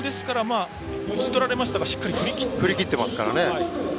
ここも打ち取られましたがしっかり振り切っていますね。